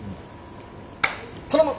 頼む！